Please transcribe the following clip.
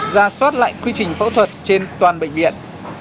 gia sót lại quy trình phẫu thuật trên toàn bệnh viện